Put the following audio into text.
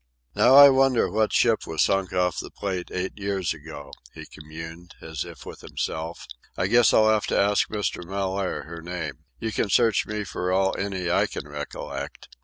"Now I wonder what ship was sunk off the Plate eight years ago?" he communed, as if with himself. "I guess I'll have to ask Mr. Mellaire her name. You can search me for all any I can recollect."